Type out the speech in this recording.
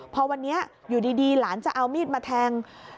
พอวันนี้อยู่ดีหลานจะเอามีดมาแทง